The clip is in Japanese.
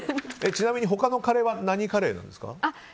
ちなみに他のカレーは何カレーなんですか？